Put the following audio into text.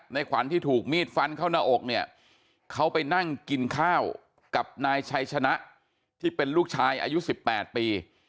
ขวัญที่ถูกมีดฟันเข้าหน้าอกเนี่ยเขาไปนั่งกินข้าวกับนายชัยชนะที่เป็นลูกชายอายุ๑๘ปี